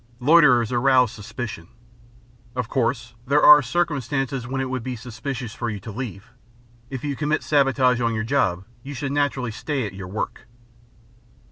Loiterers arouse suspicion. Of course, there are circumstances when it would be suspicious for you to leave. If you commit sabotage on your job, you should naturally stay at your work.